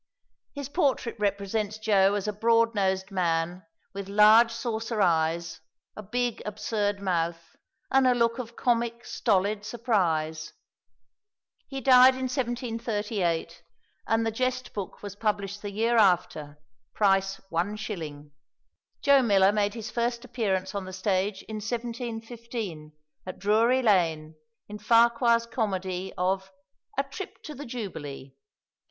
His portrait represents Joe as a broad nosed man with large saucer eyes, a big absurd mouth, and a look of comic stolid surprise. He died in 1738, and the Jest Book was published the year after, price one shilling. Joe Miller made his first appearance on the stage in 1715, at Drury Lane, in Farquhar's comedy of "A trip to the Jubilee."